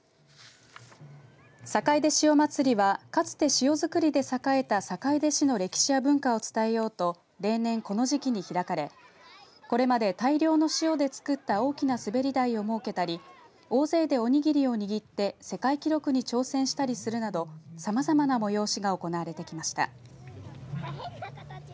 さかいで塩まつりはかつて塩作りで栄えた坂出市の歴史や文化を伝えようと例年、この時期に開かれこれまで大量の塩で作った大きな滑り台を設けたり大勢でおにぎりを握って世界記録に挑戦したりするなどさまざまな催しが行われてきました。